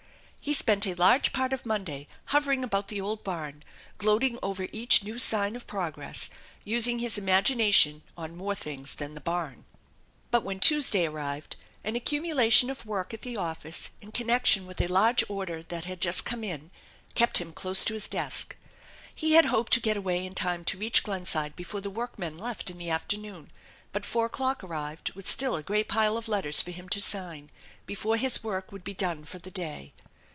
He spent a large part of Monday hovering about the old barn, gloating over each new sign of progress, using his imagination on more things than the barn. But when Tues day arrived an accumulation of work at the office in con nection with a large order that had just come in kept him close to his desk. He had hoped to get away in time to reach Glenside before the workmen left in the afternoon, but four o'clock arrived with still a great pile of letters for him to sign, before his work would be done for the day.